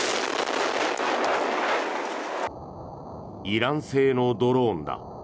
イラン製のドローンだ。